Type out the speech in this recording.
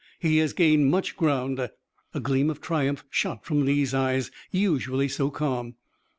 He has gained much ground." A gleam of triumph shot from Lee's eyes, usually so calm.